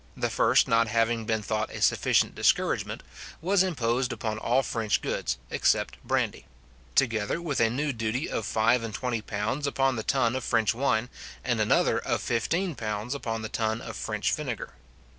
the first not having been thought a sufficient discouragement, was imposed upon all French goods, except brandy; together with a new duty of five and twenty pounds upon the ton of French wine, and another of fifteen pounds upon the ton of French vinegar.